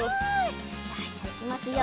よしじゃあいきますよ。